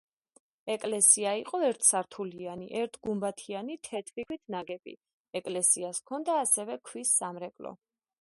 ეკლესია იყო ერთსართულიანი, ერთგუმბათიანი თეთრი ქვით ნაგები, ეკლესიას ჰქონდა ასევე ქვის სამრეკლო.